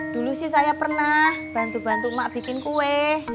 dulu sih saya pernah bantu bantu mak bikin kue